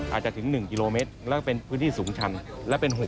อาจจะถึง๑กิโลเมตรแล้วก็เป็นพื้นที่สูงชันและเป็น๖